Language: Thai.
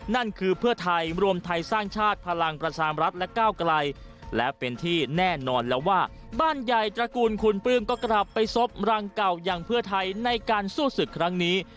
นั่นคือเพื่อไทยรวมไทยสร้างชาติพลังประชามรัฐและก้าวไกลและเป็นที่แน่นอนแล้วว่าบ้านใหญ่ตระกูลคุณปลื้มก็กลับไปซบรังเก่าอย่างเพื่อไทยในการสู้ศึกครั้งนี้